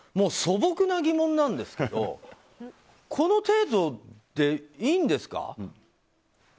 素朴な疑問なんですけどこの程度でいいんですか？